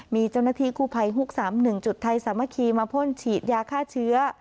มีเจ้าหน้าที่กู้ภัยฮุก๓๑จุดไทยสามัคคีมาพ่นฉีดยาฆ่าเชื้อ